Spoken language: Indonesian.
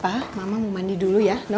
pak mama mau mandi dulu ya